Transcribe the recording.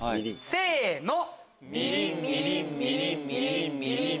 せの！